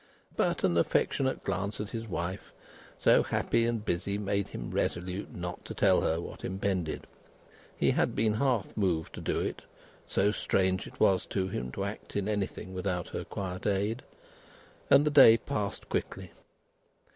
But, an affectionate glance at his wife, so happy and busy, made him resolute not to tell her what impended (he had been half moved to do it, so strange it was to him to act in anything without her quiet aid), and the day passed quickly.